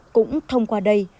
cũng thông qua đây